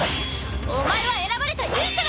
お前は選ばれた勇者だ。